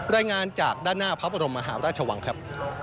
รายงานจากด้านหน้าพระบรมมหาราชวังครับ